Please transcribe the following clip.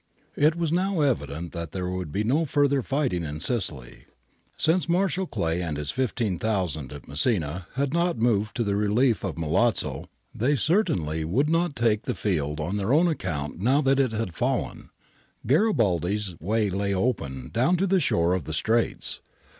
^ It was now evident that there would be no further fighting in Sicily. Since Marshal Clary and his 15,000 at Messina had not moved to the rehef of Milazzo, they certainly would not take the field on their own account now that it had fallen. Garibaldi's way lay open down to the shore of the Straits.